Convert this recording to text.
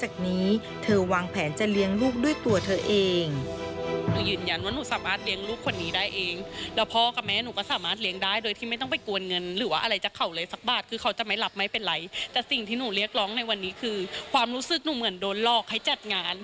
คือความรู้สึกหนูเหมือนโดนลอกให้จัดงาน